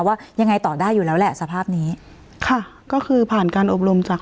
ว่ายังไงต่อได้อยู่แล้วแหละสภาพนี้ค่ะก็คือผ่านการอบรมจาก